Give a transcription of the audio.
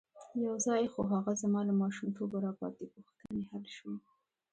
یو ځای خو هغه زما له ماشومتوبه را پاتې پوښتنې حل شوې.